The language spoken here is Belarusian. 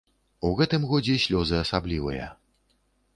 У гэтым годзе слёзы асаблівыя.